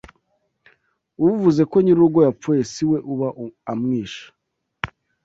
Uvuze ko nyirurugo yapfuye si we uba amwishe